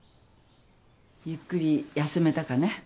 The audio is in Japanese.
ゆっくり休めたかね？